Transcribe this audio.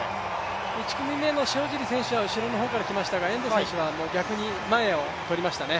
１組目の塩尻選手は後ろの方から来ましたが、遠藤選手は逆に前を取りましたね。